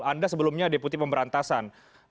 anda sebelumnya deputi pemberantasan